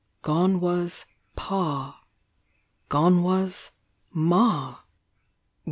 Gone was "Pa"; gone was "Ma!"